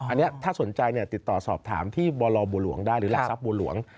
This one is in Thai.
อันนี้ถ้าสนใจติดต่อสอบถามที่บรบัวหลวงได้หรือหลักทรัพย์บัวหลวง